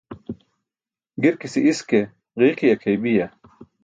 Girkise iske be ġiiki akʰeybiya?